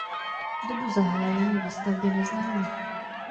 Dobu zahájení výstavby neznáme.